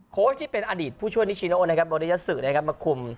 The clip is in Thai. โค้ชที่เป็นอดีตผู้ช่วยนิชิโนโบริยัสสุมาคุม